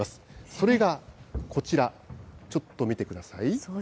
それがこちら、ちょっと見てください。